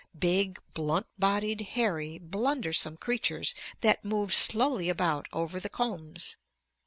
Big, blunt bodied, hairy, blundersome creatures that move slowly about over the combs.